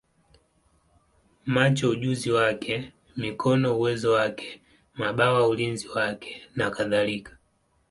macho ujuzi wake, mikono uwezo wake, mabawa ulinzi wake, nakadhalika.